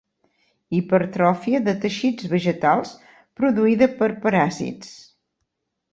Hipertròfia de teixits vegetals produïda per paràsits.